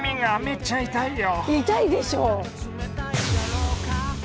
痛いでしょう。